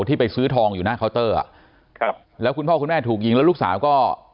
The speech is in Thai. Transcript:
ที่ไปซื้อทองอยู่หน้าเคาน์เตอร์อ่ะครับแล้วคุณพ่อคุณแม่ถูกยิงแล้วลูกสาวก็